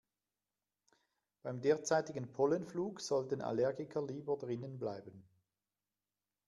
Beim derzeitigen Pollenflug sollten Allergiker lieber drinnen bleiben.